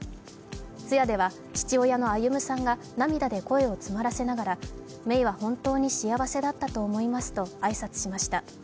通夜では、父親の歩さんが涙で声を詰まらせながら芽生は本当に幸せだったと思いますと挨拶しました。